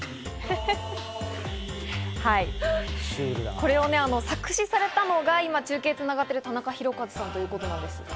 これをね、作詞されたのが今、中継がつながっている田中宏和さんということですね。